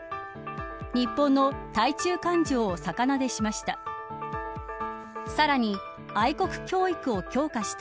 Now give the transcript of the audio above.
日本の対中感情を逆なでしました。